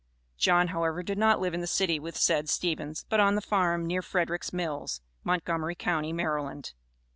John, however, did not live in the city with said Stevens, but on the farm near Frederick's Mills, Montgomery county, Maryland.